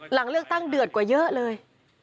หลังเลือกตั้งเดือดกว่าเยอะเลย